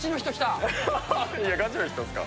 いや、ガチの人ですか。